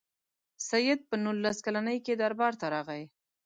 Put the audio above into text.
سید په نولس کلني کې دربار ته راغی.